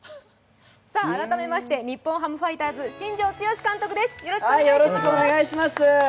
改めまして日本ハムファイターズ、新庄剛志監督です。